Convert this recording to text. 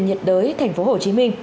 bệnh viện nhiệt đới tp hcm